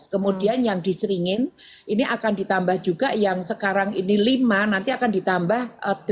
kemudian yang diseringin ini akan ditambah juga yang sekarang ini lima nanti akan ditambah tiga